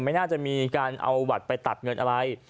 ไม่น่าจะมีการเอาบัตรไปตัดเงินอะไร